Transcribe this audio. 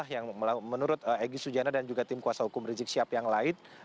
yang menurut egy sujana dan juga tim kuasa hukum rizik syihab yang lain